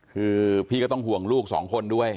คือพี่ก็ต้องห่วงลูกสองคนด้วย